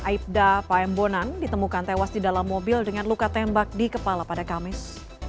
aibda paembonan ditemukan tewas di dalam mobil dengan luka tembak di kepala pada kamis